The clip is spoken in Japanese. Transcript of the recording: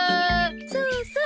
そうそう。